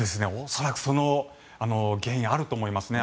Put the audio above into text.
恐らくその原因あると思いますね。